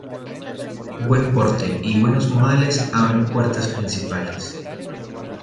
Buen porte y buenos modales abren puertas principales.